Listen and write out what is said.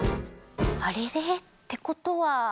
あれれ？ってことは。